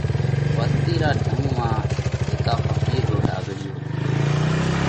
وستِي را ڌنڳ مانه هيڪا ڦقِير رو ڍاۯِيو هتو۔